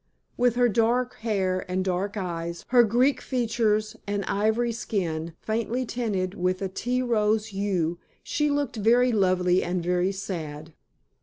With her dark hair and dark eyes, her Greek features and ivory skin faintly tinted with a tea rose hue, she looked very lovely and very sad.